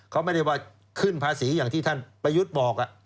เขาไม่ได้ว่าขึ้นภาษีอย่างที่ท่านประยุทธ์บอก